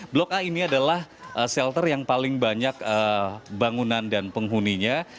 blok a ini adalah shelter yang paling banyak bangunan dan penghuninya